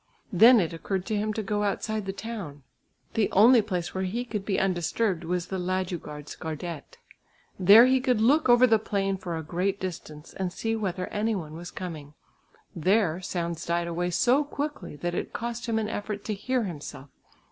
Then it occurred to him to go outside the town. The only place where he could be undisturbed was the Ladugårdsgärdet. There he could look over the plain for a great distance and see whether any one was coming; there sounds died away so quickly that it cost him an effort to hear himself.